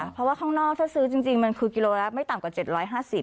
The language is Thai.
เพราะว่าข้างนอกถ้าซื้อจริงมันคือกิโลละไม่ต่ำกว่า๗๕๐บาท